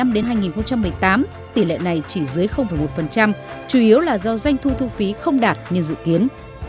năm đến hai nghìn một mươi tám tỷ lệ này chỉ dưới một chủ yếu là do doanh thu thu phí không đạt như dự kiến